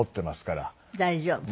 大丈夫？